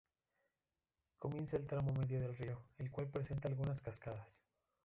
Comienza el tramo medio del río, el cual presenta algunas cascadas.